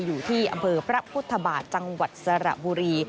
อยู่ที่อำเภอพระพุทธบาทจังหวัดสระบุรี